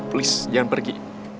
please jangan pergi